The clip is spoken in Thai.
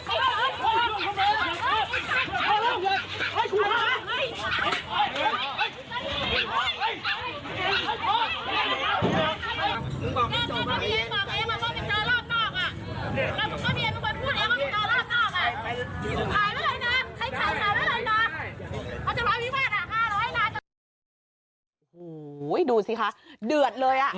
โหดูซิคะเดือดเลย